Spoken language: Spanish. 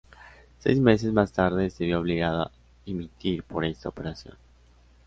Seis meses más tarde se vio obligado a dimitir por esta operación.